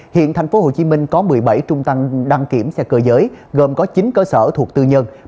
hiện tp hcm có một mươi bảy trung tâm đăng kiểm xe cơ giới gồm có chín cơ sở thuộc tư nhân